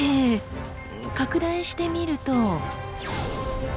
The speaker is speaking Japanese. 拡大してみると。